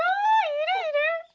いるいる！